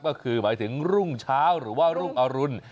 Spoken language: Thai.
ก็คือหมายถึงรุ่งเช้าหรือว่ารุ่งอรุณ